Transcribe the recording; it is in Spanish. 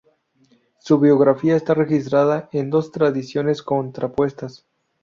Su biografía está registrada en dos tradiciones contrapuestas.